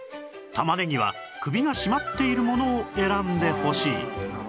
玉ねぎは首が締まっているものを選んでほしい